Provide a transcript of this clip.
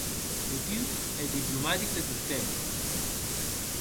E tu eth diplomatic de tostemp.